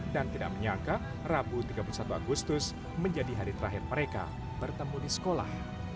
dan tidak menyangka rabu tiga puluh satu agustus menjadi hari terakhir mereka bertemu di sekolah